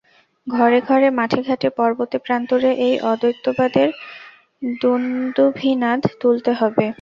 ঘরে ঘরে, মাঠে ঘাটে, পর্বতে প্রান্তরে এই অদ্বৈতবাদের দুন্দুভিনাদ তুলতে হবে।